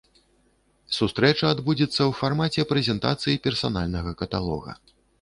Сустрэча адбудзецца ў фармаце прэзентацыі персанальнага каталога.